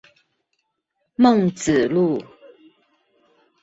孟子路